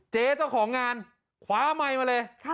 เจ๊เจ้าของงานคว้าไมค์มาเลย